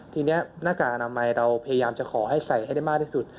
ทีนี้หน้ากากอนามัยเราพยายามจะขอให้ใส่ให้ได้มากที่สุด